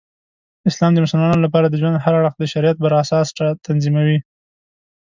اسلام د مسلمانانو لپاره د ژوند هر اړخ د شریعت پراساس تنظیموي.